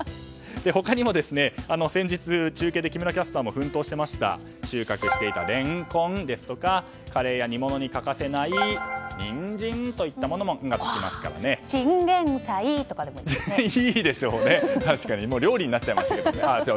他にも先日中継で木村キャスターも格闘して収穫していたレンコンですとかカレーや煮物に欠かせないニンジンといったものもチンゲンサイとかでも野菜なので、いいですね。